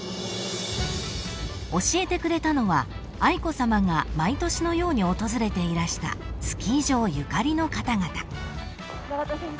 ［教えてくれたのは愛子さまが毎年のように訪れていらしたスキー場ゆかりの方々］